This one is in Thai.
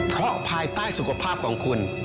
เพราะภายใต้สุขภาพของคุณ